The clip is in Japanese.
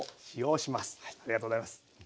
ありがとうございます。